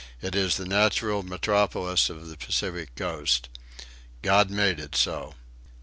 It is the natural metropolis of the Pacific coast. God made it so.